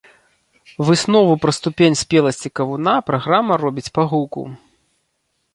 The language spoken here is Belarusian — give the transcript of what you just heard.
Выснову пра ступень спеласці кавуна праграма робіць па гуку.